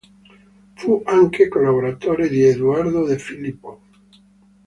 Fu anche collaboratore di Eduardo De Filippo.